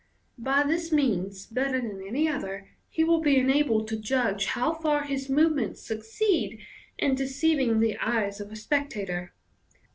By this means, better than any other, he will be en abled to judge how far his movements succeed in deceiving the eyes of a spectator.